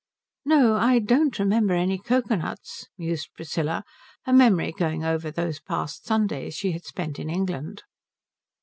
"No, I don't remember any cocoa nuts," mused Priscilla, her memory going over those past Sundays she had spent in England.